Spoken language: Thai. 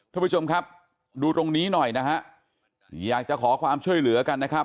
ทุกผู้ชมครับดูตรงนี้หน่อยนะฮะอยากจะขอความช่วยเหลือกันนะครับ